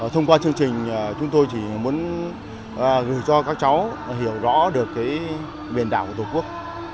thông qua chương trình chúng tôi chỉ muốn gửi cho các cháu hiểu rõ được biển đảo của tổ quốc